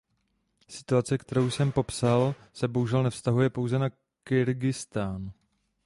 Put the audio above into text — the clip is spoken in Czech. Situace, kterou jsem popsal, se bohužel nevztahuje pouze na Kyrgyzstán.